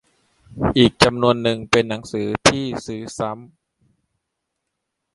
อีกจำนวนนึงเป็นหนังสือที่ซื้อซ้ำ